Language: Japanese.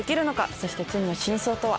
そして罪の真相とは？